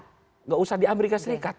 tidak usah di amerika serikat